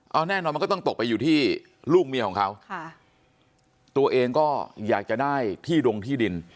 เอาแน่นอนมันก็ต้องตกไปอยู่ที่ลูกเมียของเขาค่ะตัวเองก็อยากจะได้ที่ดงที่ดิน